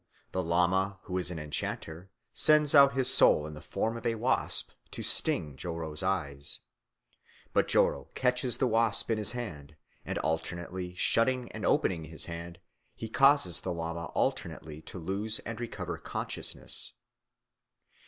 The lama, who is an enchanter, sends out his soul in the form of a wasp to sting Joro's eyes. But Joro catches the wasp in his hand, and by alternately shutting and opening his hand he causes the lama alternately to lose and recover consciousness.